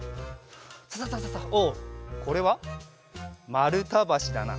サササササおっこれはまるたばしだな。